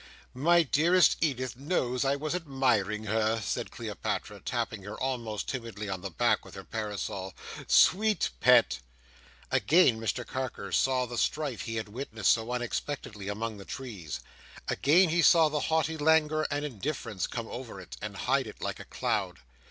"My dearest Edith knows I was admiring her!" said Cleopatra, tapping her, almost timidly, on the back with her parasol. "Sweet pet!" Again Mr Carker saw the strife he had witnessed so unexpectedly among the trees. Again he saw the haughty languor and indifference come over it, and hide it like a cloud.